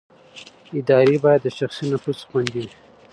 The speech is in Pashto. ادارې باید د شخصي نفوذ څخه خوندي وي